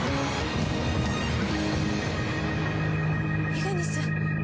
イグニス。